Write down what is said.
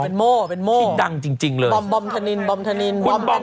เป็นโม่เป็นโม่คิดดังจริงเลยคุณบอมธนินคุณบอมธนิน